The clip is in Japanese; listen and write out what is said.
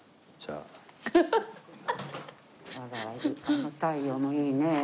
あら「太陽」もいいね。